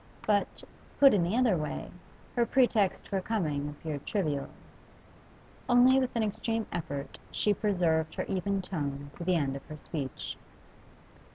But, put in the other way, her pretext for coming appeared trivial. Only with an extreme effort she preserved her even tone to the end of her speech.